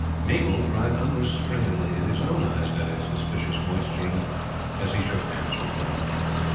Mabel cried unrestrainedly, and his own eyes had a suspicious moisture in them as he shook hands with Ralph.